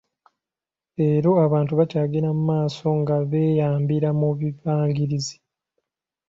Leero abantu bakyagenda mu maaso nga beeyambira mu bibangirizi.